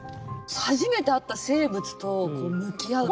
初めて会った生物と向き合う。